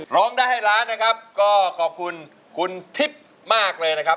ร้องได้ให้ล้านนะครับก็ขอบคุณคุณทิพย์มากเลยนะครับ